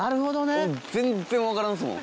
全然分からんですもん。